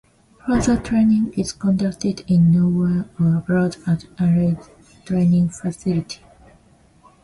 Further training is conducted in Norway or abroad at allied training facilities.